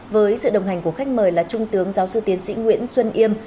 với sự đồng hành của khách mời là trung tướng giáo sư tiến sĩ nguyễn xuân yêm